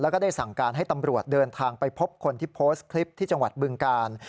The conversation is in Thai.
แล้วก็ได้สั่งการให้ตำรวจเดินทางไปพบคนที่โพสต์คลิปที่จังหวัดบึงกาล